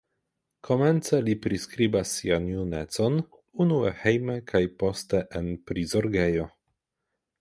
Komence li priskribas sian junecon, unue hejme kaj poste en prizorgejo.